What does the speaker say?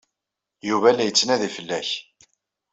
Yuba la yettnadi fell-ak.